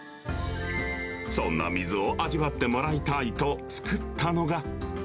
そんな水を味わってもらいたいと作ったのが。